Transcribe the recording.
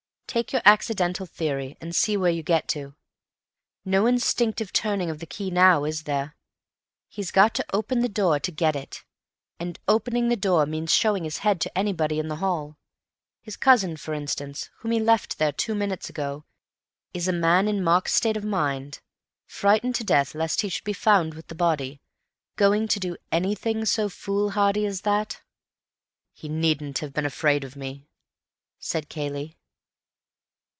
Take your accidental theory and see where you get to. No instinctive turning of the key now, is there? He's got to open the door to get it, and opening the door means showing his head to anybody in the hall—his cousin, for instance, whom he left there two minutes ago. Is a man in Mark's state of mind, frightened to death lest he should be found with the body, going to do anything so foolhardy as that?" "He needn't have been afraid of me," said Cayley.